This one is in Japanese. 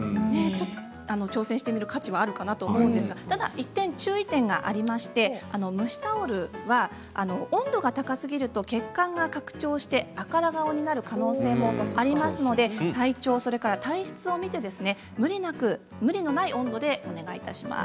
挑戦してみる価値はあるかなと思うんですが一点注意点がありまして、蒸しタオルは温度が高すぎると血管が拡張して赤ら顔になる可能性もありますので体調、体質を見て無理のない温度でお願いいたします。